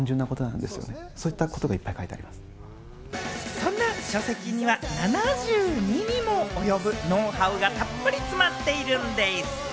そんな書籍には７２にも及ぶノウハウがたっぷり詰まっているんでぃす！